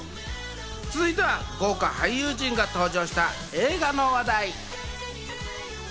続いては豪華俳優陣が登場した映画の話題。